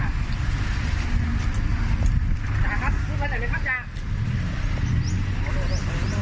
ไปเลยนะครับจะ